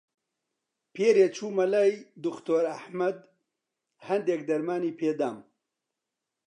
پێرێ چوومە لای دختۆر ئەحمەد، هەندێک دەرمانی پێ دام.